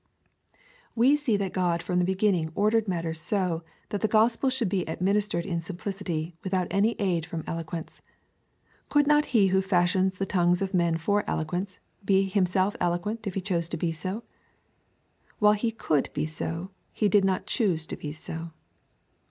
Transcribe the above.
We see that God from the beginning ordered matters so, that the gospel should be administered in simplicity, without any aid from eloquence. Could not he who fashions the tongues of men for eloquence, be himself eloquent if he chose to be so ? While he could be so, he did not choose to be so.